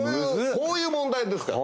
こういう問題ですから。